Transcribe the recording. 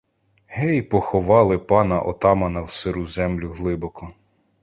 Гей, поховали пана отамана в сиру землю глибоко.